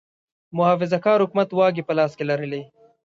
محافظه کار حکومت واګې په لاس کې لرلې.